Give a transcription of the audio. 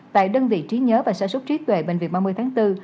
tại đơn vị trí nhớ và sản xuất trí tuệ bệnh viện ba mươi tháng bốn